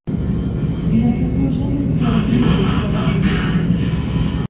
Il n'a pourtant jamais été admis au doctorat de médecine.